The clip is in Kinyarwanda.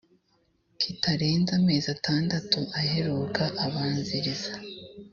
kitarenze amezi atandatu aheruka abanziriza